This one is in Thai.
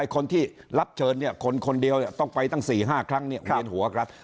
คนที่รับเชิญเนี่ยคนคนเดียวต้องไปตั้งสี่ห้าครั้งเนี่ยเวียนหัวครับ